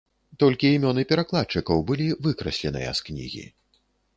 Толькі імёны перакладчыкаў былі выкрасленыя з кнігі.